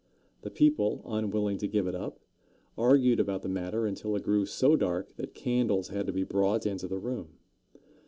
The people, unwilling to give it up, argued about the matter until it grew so dark that candles had to be brought into the room.